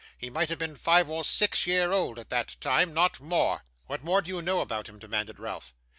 He might have been five or six year old at that time not more.' 'What more do you know about him?' demanded Ralph.